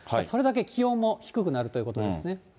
それだけ気温も低くなるということですね。